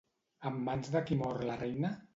En mans de qui mor la reina?